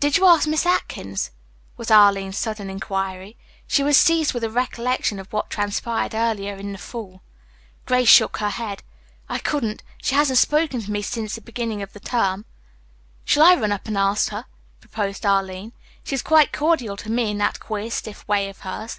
"Did you ask Miss Atkins?" was Arline's sudden inquiry. She was seized with a recollection of what transpired earlier in the fall. Grace shook her head. "I couldn't. She hasn't spoken to me since the beginning of the term." "Shall I run up and ask her?" proposed Arline. "She is quite cordial to me in that queer, stiff way of hers."